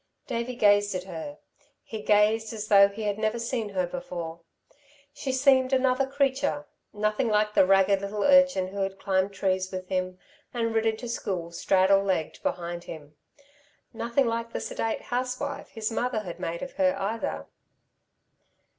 Davey gazed at her. He gazed as though he had never seen her before. She seemed another creature, nothing like the ragged little urchin who had climbed trees with him and ridden to school straddle legged behind him; nothing like the sedate housewife his mother had made of her, either.